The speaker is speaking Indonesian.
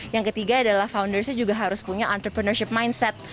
yang ketiga adalah foundersnya juga harus punya entrepreneurship mindset